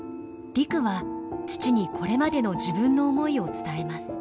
陸は父にこれまでの自分の思いを伝えます。